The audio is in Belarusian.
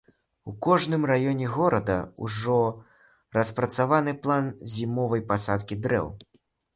У кожным раёне горада ўжо распрацаваны план зімовай пасадкі дрэў.